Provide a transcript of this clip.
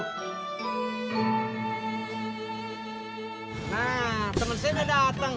nah temen saya udah dateng